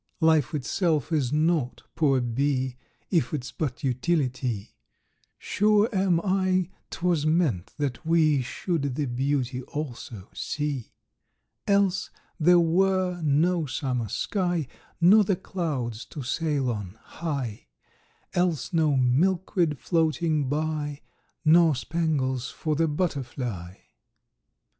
"Life itself is naught, poor bee, If it's but utility; Sure am I 'twas meant that we Should the beauty, also, see; "Else there were no summer sky, Nor the clouds to sail on high; Else no milkweed floating by, Nor spangles for the butterfly!"